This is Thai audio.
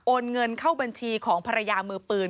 เงินเข้าบัญชีของภรรยามือปืน